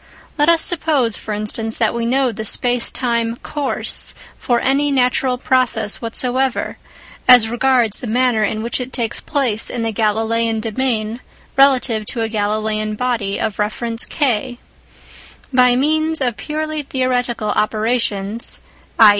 Let us suppose, for instance, that we know the space time " course " for any natural process whatsoever, as regards the manner in which it takes place in the Galileian domain relative to a Galileian body of reference K. By means of purely theoretical operations (i.